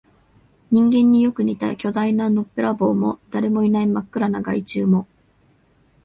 人間によく似た巨大なのっぺらぼうも、誰もいない真っ暗な街中も、